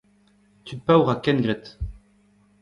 Tud paour ha kengred.